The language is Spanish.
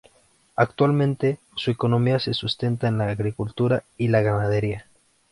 Actualmente, su economía se sustenta en la agricultura y la ganadería.